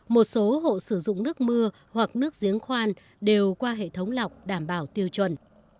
một số hộ sử dụng nước mưa hoặc nước giếng khoan đều qua hệ thống lọc đảm bảo tiêu chuẩn